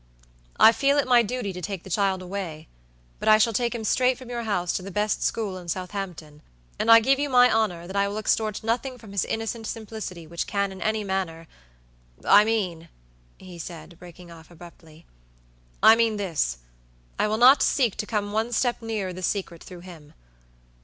I feel it my duty to take the child away, but I shall take him straight from your house to the best school in Southampton; and I give you my honor that I will extort nothing from his innocent simplicity which can in any mannerI mean," he said, breaking off abruptly, "I mean this. I will not seek to come one step nearer the secret through him.